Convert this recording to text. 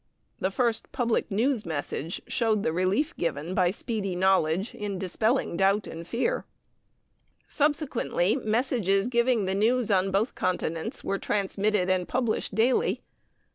This first public news message showed the relief given by speedy knowledge in dispelling doubt and fear. Subsequently messages giving the news on both continents were transmitted and published daily.